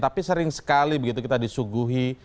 tapi sering sekali begitu kita disuguhi